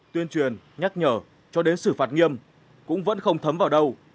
tuyên truyền nhắc nhở cho đến xử phạt nghiêm cũng vẫn không thấm vào đâu